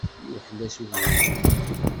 Iwḥel-as uburur.